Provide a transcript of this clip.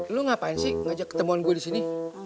lu ngapain sih ngajak ketemuan gue disini